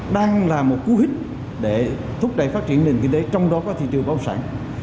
đang là một cú hít để thúc đẩy phát triển nền kinh tế trong đó có thị trường báo sản